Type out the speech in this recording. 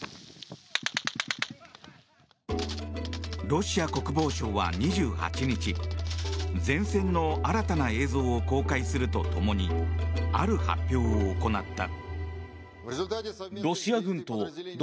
ロシア国防省は２８日前線の新たな映像を公開すると共にある発表を行った。